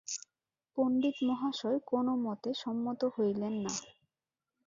পণ্ডিমহাশয় কোনোমতে সম্মত হইলেন না।